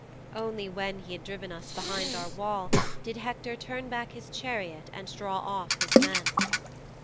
Only when he had driven us behind our wall did Hector turn back his chariot and draw off his men."'